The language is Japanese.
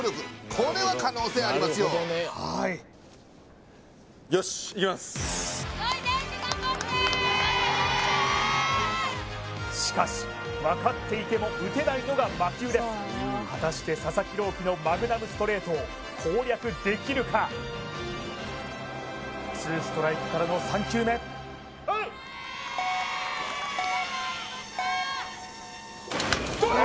これは可能性ありますよしかし分かっていても打てないのが魔球です果たして佐々木朗希のマグナムストレートを攻略できるか２ストライクからの３球目プレーどうだ？